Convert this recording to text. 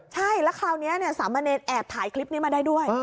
ใช่แล้วคราวนี้สามเณรแอบถ่ายคลิปนี้มาได้ด้วย